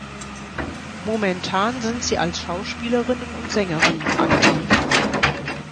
Momentan sind sie als Schauspielerinnen und Sängerinnen aktiv.